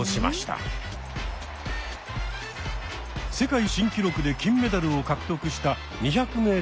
世界新記録で金メダルを獲得した２００ｍのレース。